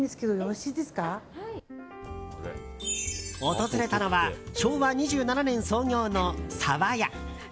訪れたのは昭和２７年創業の沢屋。